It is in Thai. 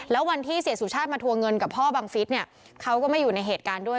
แล้ววันที่เสียสุชาติมาทวงเงินกับพ่อบังฟิศเนี่ยเขาก็ไม่อยู่ในเหตุการณ์ด้วย